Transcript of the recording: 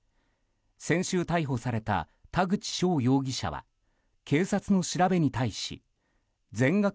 先週、逮捕された田口翔容疑者は警察の調べに対し全額